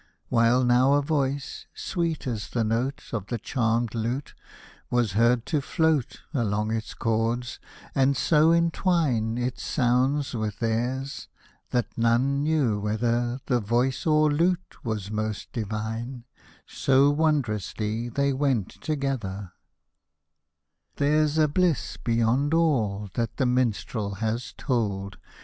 While now a voice, sweet as the note Of the charmed lute, was heard to float Along its chords, and so entwine Its sounds with theirs, that none knew whether The voice or lute was most divine, So wondrously they went together :— There's a bliss beyond all that the minstrel has told.